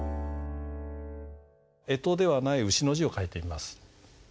えとではない「牛」の字を書いてみます。